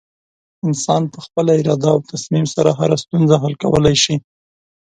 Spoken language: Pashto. انسان په خپله اراده او تصمیم سره هره ستونزه حل کولی شي.